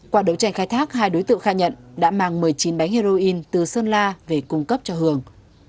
qua đấu tranh khai thác hai đối tượng khai nhận đã mang một mươi chín bánh heroin từ sơn la về cung cấp cho hường